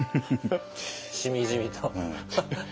しみじみと。